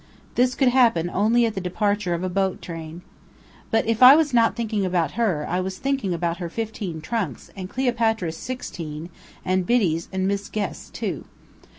This could happen only at the departure of a boat train! But if I was not thinking about her, I was thinking about her fifteen trunks, and Cleopatra's sixteen and Biddy's and Miss Guest's two.